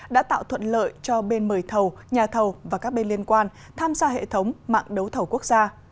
đã tạo thuận lợi cho bên mời thầu nhà thầu và các bên liên quan tham gia hệ thống mạng đấu thầu quốc gia